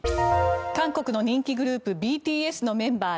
韓国の人気グループＢＴＳのメンバー